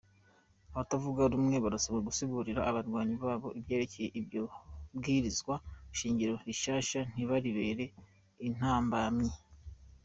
Abatavuga rumwe basabwe gusigurira abanywanyi babo ivyerekeye iryo bwirizwa shingiro rishasha, ntibaribere intambamyi.